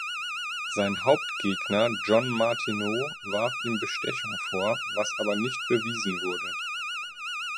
Sein Hauptgegner John Martineau warf ihm Bestechung vor, was aber nicht bewiesen wurde.